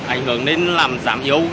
ảnh hưởng đến làm giảm yếu